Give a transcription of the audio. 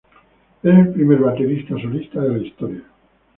Es el primer baterista solista de la historia.